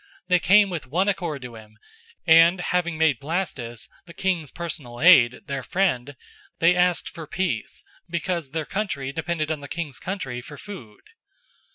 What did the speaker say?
They came with one accord to him, and, having made Blastus, the king's personal aide, their friend, they asked for peace, because their country depended on the king's country for food.